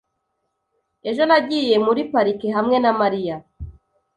Ejo nagiye muri parike hamwe na Mariya .